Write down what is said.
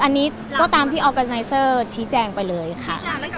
อันนี้ก็ตามที่ออร์แกนไซเซอร์ชี้แจงไปเลยค่ะ